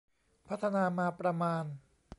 พัฒนามาประมาณ